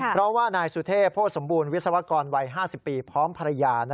เพราะว่านายสุเทพโภษสมบูรณวิศวกรวัย๕๐ปีพร้อมภรรยา